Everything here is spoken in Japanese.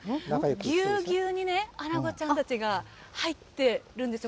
ぎゅうぎゅうにね、あなごちゃんたちが入ってるんですよ。